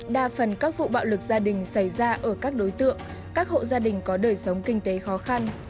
đa phần các vụ bạo lực gia đình xảy ra ở các đối tượng các hộ gia đình có đời sống kinh tế khó khăn